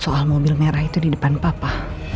soal mobil merah itu di depan papa